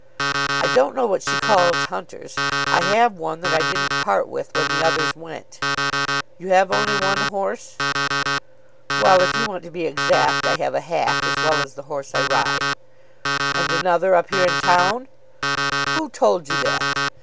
"I don't know what she calls hunters. I have one that I didn't part with when the others went." "You have only one horse?" "Well; if you want to be exact, I have a hack as well as the horse I ride." "And another up here in town?" "Who told you that?